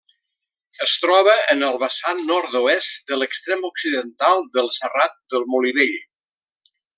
Es troba en el vessant nord-oest de l'extrem occidental del Serrat del Molí Vell.